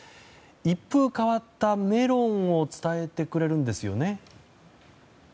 一風変わったメロンを伝えてくれるんですよね？